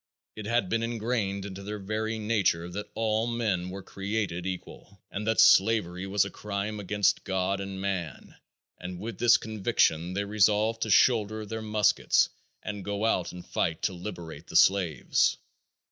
It had been ingrained into their very nature that all men were created equal and that slavery was a crime against God and man, and with this conviction they resolved to shoulder their muskets and go out and fight to liberate the slaves.